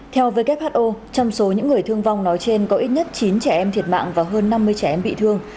theo who trong số những người thương vong nói trên có ít nhất chín trẻ em thiệt mạng và hơn năm mươi trẻ em bị thương